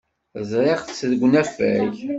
Ẓriɣ-tt deg unafag.